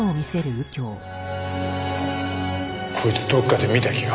こいつどこかで見た気が。